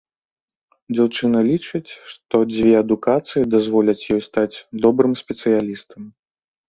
Дзяўчына лічыць, што дзве адукацыі дазволяць ёй стаць добрым спецыялістам.